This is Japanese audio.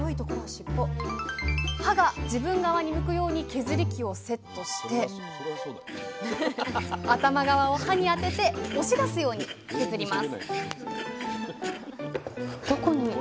刃が自分側に向くように削り器をセットして頭側を刃に当てて押し出すように削ります